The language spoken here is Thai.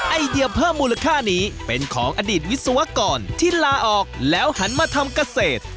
ไอเดียเพิ่มมูลค่านี้เป็นของอดีตวิศวกรที่ลาออกแล้วหันมาทำเกษตร